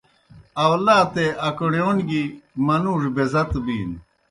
آؤلاتے اکݨِیون گیْ منُوڙوْ بیزَت بِینوْ۔